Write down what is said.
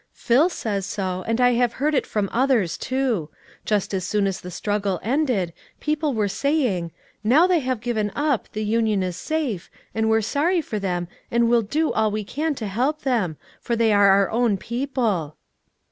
"Phil says so, and I've heard it from others too; just as soon as the struggle ended, people were saying, 'Now they have given up, the Union is safe, and we're sorry for them and will do all we can to help them; for they are our own people.'"